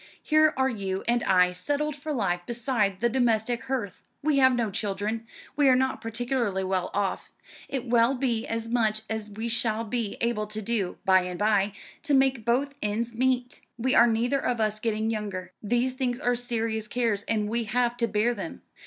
Here are you and I settled for life beside the domestic hearth. We have no children. We are not particularly well off it will be as much as we shall be able to do, by and by, to make both ends meet. We are neither of us getting younger. These things are serious cares, and we have to bear them.